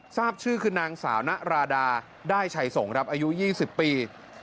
ทราบชื่อคือนางสาวนราดาได้ชัยสงครับอายุ๒๐ปี